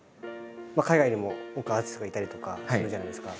海外にも多くアーティストがいたりとかするじゃないですか。